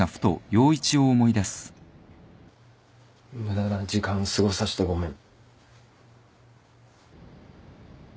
無駄な時間過ごさしてごめん